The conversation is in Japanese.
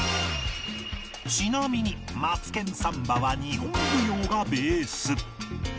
ちなみに『マツケンサンバ』は日本舞踊がベース